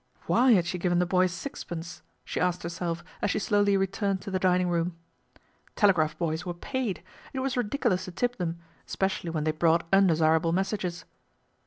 " Why had she given the boy sixpence ?" she MADNESS OF LORD PETER BOWEN 49 asked herself as she slowly returned to the dining room. Telegraph boys were paid. It was ridicu lous to tip them, especially when they brought undesirable messages.